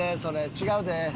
違うで。